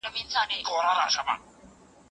په سياسي بهيرونو کي خپله فعاله برخه واخلئ.